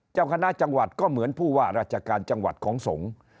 เจ้าคณะจังหวัดก็เหมือนผู้ว่าราชการจังหวัดของสงฆ์